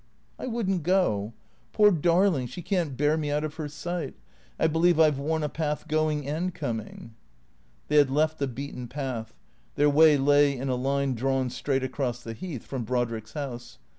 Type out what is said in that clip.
" I would n't go. Poor darling, she can't bear me out of her sight. I believe I 've worn a path going and coming." They had left the beaten path. Their way lay in a line drawn straight across the Heath from Brodrick's house.